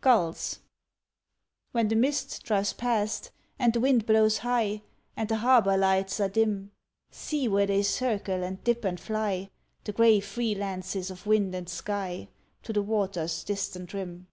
GULLS When the mist drives past and the wind blows high, And the harbour lights are dim See where they circle, and dip and fly, The grey free lances of wind and sky, To the water's distant rim!